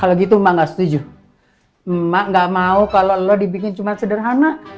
emak gak mau kalo elo dibikin cuman sederhana